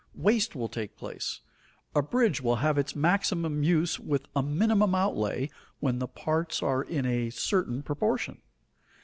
Waste will take place. A bridge will have its maximum use with a minimum outlay when the parts are in a certain proportion.